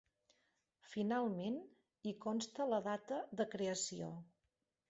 Finalment, hi consta la data de creació.